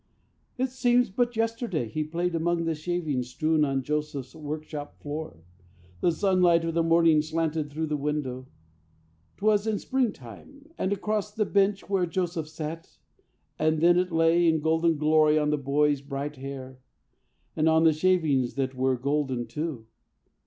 "It seems but yesterday he played among The shavings strewn on Joseph's work shop floor. The sunlight of the morning slanted through The window 't was in springtime and across The bench where Joseph sat, and then it lay In golden glory on the boy's bright hair And on the shavings that were golden too.